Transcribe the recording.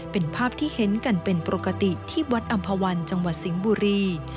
เป็นภาพที่เห็นกันเป็นปกติที่วัดอำภาวันจังหวัดสิงห์บุรี